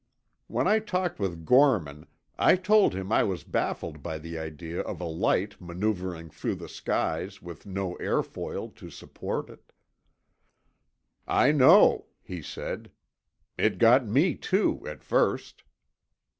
When I talked with Gorman, I told him I was baffled by the idea of a light maneuvering through the skies with no airfoil to support it. "I know," he said. "It got me, too, at first."